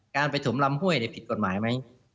การไปถมลำห้วยผิดกฎหมายไหม